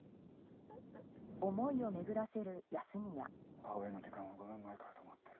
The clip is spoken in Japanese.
母親の時間は５年前から止まってる。